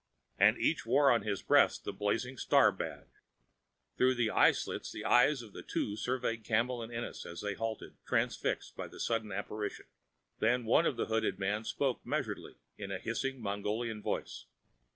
And each wore on his breast the blazing star badge. Through the eye slits the eyes of the two surveyed Campbell and Ennis as they halted, transfixed by the sudden apparition. Then one of the hooded men spoke measuredly in a hissing, Mongolian voice.